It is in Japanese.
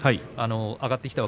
上がってきました。